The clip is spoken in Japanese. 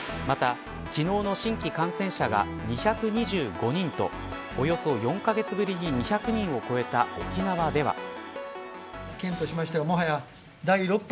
また、昨日の新規感染者が２２５人とおよそ４カ月ぶりに２００人を超えた沖縄では。